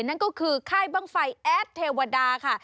นั่นก็คือค่ายบ้างไฟแอดเทวดาค่ะ